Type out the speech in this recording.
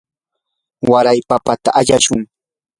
waray papata alashun.